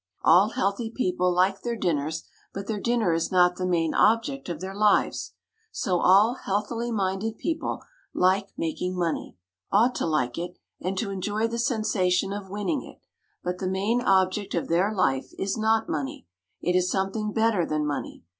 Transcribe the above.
All healthy people like their dinners, but their dinner is not the main object of their lives. So all healthily minded people like making money ought to like it, and to enjoy the sensation of winning it: but the main object of their life is not money; it is something better than money.